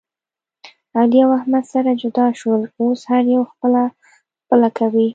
علي او احمد سره جدا شول. اوس هر یو خپله خپله کوي.